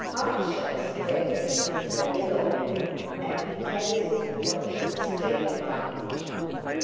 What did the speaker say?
"Hardshell's head is very long and he carries it pointed straight down.